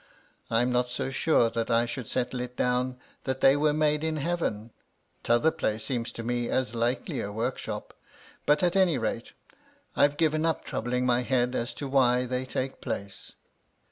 I'm not so sure that I should settle it down that they were made in Heaven ; t'other place seems to me as likely a workshop; but, at any rate, I've given up troubling my head as to why they take place.